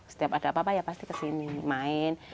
setiap ada apa apa ya pasti kesini main